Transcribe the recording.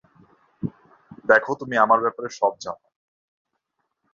দেখো, তুমি আমার ব্যাপারে সব জানো।